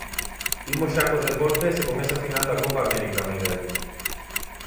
Imos xa cos deportes, e con esa final da Copa América, Miguel.